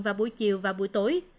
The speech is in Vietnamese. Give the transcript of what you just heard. vào buổi chiều và buổi tối